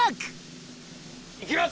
いきます！